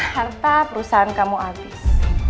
harta perusahaan kamu habis